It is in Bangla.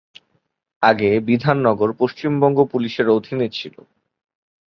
আগে বিধাননগর পশ্চিমবঙ্গ পুলিশের অধীনে ছিল।